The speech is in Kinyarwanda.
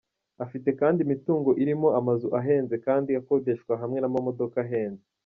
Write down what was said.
Afite kandi imitungo irimo amazu ahenze kandi akodeshwa hamwe n’amamodoka ahenze.